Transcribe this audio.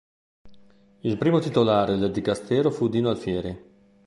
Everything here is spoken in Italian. Il primo titolare del dicastero fu Dino Alfieri.